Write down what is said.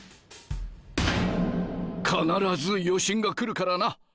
必ず余震がくるからな。